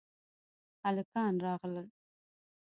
هلکان راغل